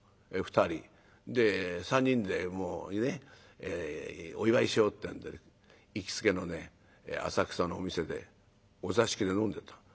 ２人。で３人でお祝いしようってんで行きつけのね浅草のお店でお座敷で飲んでたの。